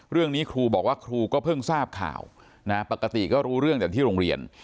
เรื่องนี้ครูบอกว่าครูก็เพิ่งทราบข่าวปกติก็รู้เรื่องจากที่โรงเรียน